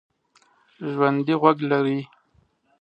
ژوندي غوږ لري